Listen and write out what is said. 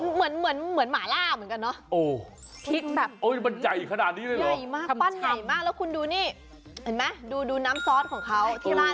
เหมือนหมาล่าเหมือนกันเนาะ